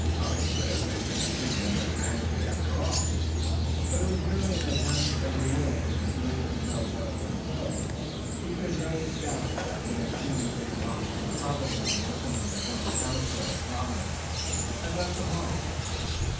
It had been a vision, a figment of the fancy, after all! But it was merely an attempt of the will to persuade himself that it was so. He could not doubt that he had seen St. Luc, who, probably listening to some counsel of providence, had left the hall.